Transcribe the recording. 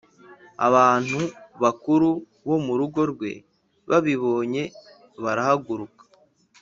Abantu bakuru bo mu rugo rwe babibonye barahaguruka